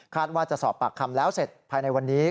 ว่าจะสอบปากคำแล้วเสร็จภายในวันนี้